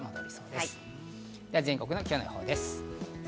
では全国の今日の予報です。